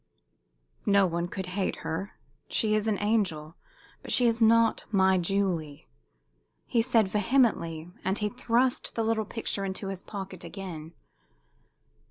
"No one could hate her. She is an angel. But she is not my Julie!" he said, vehemently, and he thrust the little picture into his pocket again.